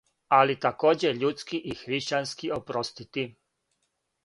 Али, такође је људски и хришћански опростити.